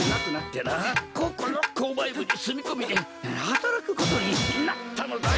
高校の購買部に住み込みで働くことになったのだよっ！